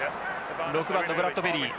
６番のブラッドベリー。